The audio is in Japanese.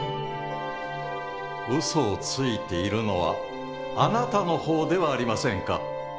ウソをついているのはあなたの方ではありませんか？